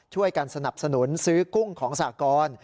ช่วยกันสนับสนุนซื้อกุ้งของสากร